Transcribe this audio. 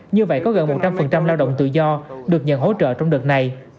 như vậy có gần một trăm linh lao động tự do được nhận hỗ trợ trong đợt này